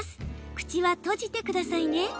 口は閉じてくださいね。